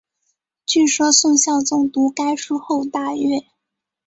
据说宋孝宗读该书后大悦。